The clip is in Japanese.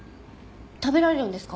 食べられるんですか？